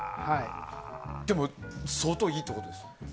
でも相当いいってことですよね。